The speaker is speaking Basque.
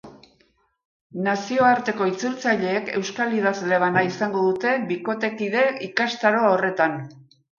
Nazioarteko itzultzaileek euskal idazle bana izango dute bikotekide ikastaro horretan.